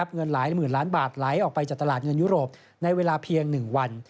เงินหลายหมื่นล้านบาทไหลออกไปจากตลาดเงินยุโรปในเวลาเพียง๑วัน